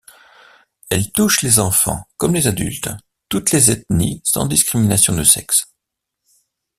Elles touchent les enfants comme les adultes, toutes les ethnies sans discrimination de sexe.